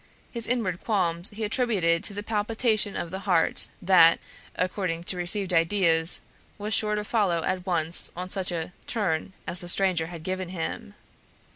His inward qualms he attributed to the palpitation of the heart that, according to received ideas, was sure to follow at once on such a "turn" as the stranger had given him.